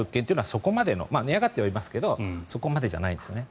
そこまで、値上がってはいますがそこまでじゃないんです。